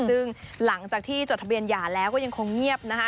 ซึ่งหลังจากที่จดทะเบียนหย่าแล้วก็ยังคงเงียบนะคะ